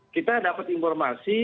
kita dapat informasi